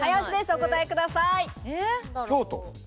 お答えください。